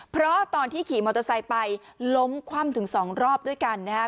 เพราะตอนที่ขี่มอเตอร์ไซค์ไปล้มคว่ำถึงสองรอบด้วยกันนะครับ